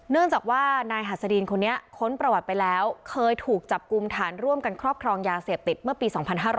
เนื่องจากว่านายหัสดีนคนนี้ค้นประวัติไปแล้วเคยถูกจับกลุ่มฐานร่วมกันครอบครองยาเสพติดเมื่อปี๒๕๕๙